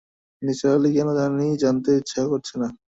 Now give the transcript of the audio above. নিসার আলির কেন জানি জানতে ইচ্ছা করছে না।